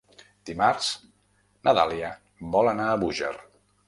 Dimarts na Dàlia vol anar a Búger.